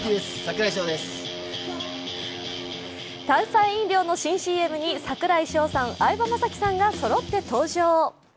炭酸飲料の新ＣＭに櫻井翔さん、相葉雅紀さんがそろって登場。